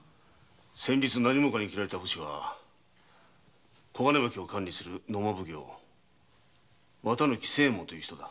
先日何者かに斬られた武士は小金牧を管理する野馬奉行の綿貫仙右衛門という人だ。